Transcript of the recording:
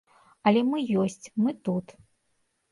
Але мы ёсць, мы тут.